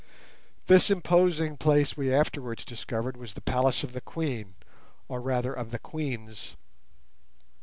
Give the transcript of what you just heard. This imposing place we afterwards discovered was the palace of the queen, or rather of the queens.